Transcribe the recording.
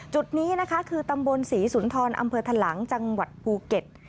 จุดนี้นะคะคือตำบลศรีสุนทรอำเภอทะลังจังหวัดภูเก็ต